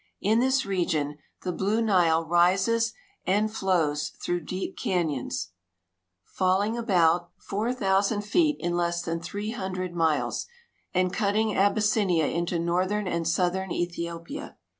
In this region the Blue Nile rises and flow's through deep can}mns, falling about AFRICA SINCE 1SS8 169 4,000 feet in less than three hundred miles and cutting Abyssinia into Northern and Southern Ethiopia.